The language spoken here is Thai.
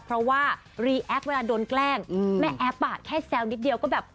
เพราะว่ารีแอปเวลาโดนแกล้งแม่แอ๊บอ่ะแค่แซวนิดเดียวก็แบบ